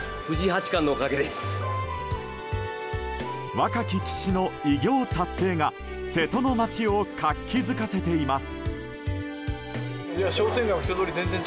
若き棋士の偉業達成が瀬戸の街を活気づかせています。